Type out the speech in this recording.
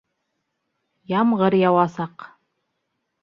Ямғыр яуасаҡ